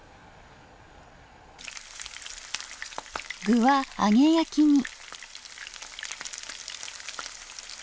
具は揚げ焼きに。